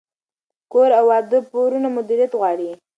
د کور او واده پورونه مدیریت غواړي.